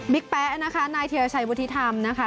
แป๊ะนะคะนายเทียรชัยวุฒิธรรมนะคะ